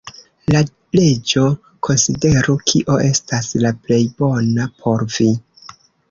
La leĝo konsideru, kio estas la plej bona por vi.